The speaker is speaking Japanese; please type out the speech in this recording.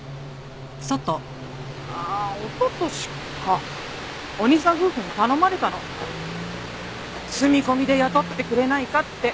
あっおととしかお兄さん夫婦に頼まれたの住み込みで雇ってくれないかって。